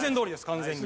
完全に。